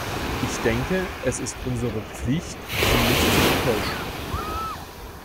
Ich denke, es ist unsere Pflicht, sie nicht zu enttäuschen.